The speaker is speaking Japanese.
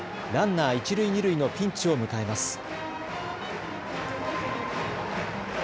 ランナー一塁二塁のピンチを迎えます。